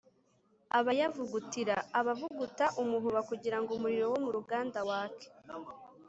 abayavugutira: abavuguta umuvuba kugira ngo umuriro wo mu ruganda wake